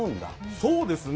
そうですね。